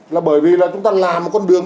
là bởi vì là chúng ta làm con đường